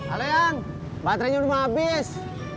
aleyang baterainya udah mau abis